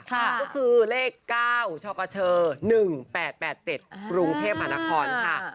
ก็คือเลข๙ชกช๑๘๘๗กรุงเทพมหานครค่ะ